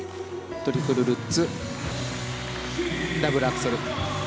トリプルルッツダブルアクセル。